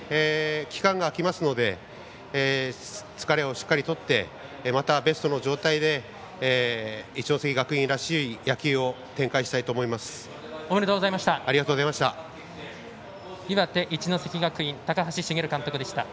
期間があきますので疲れをしっかりとってまた、ベストの状態で一関学院らしいおめでとうございました。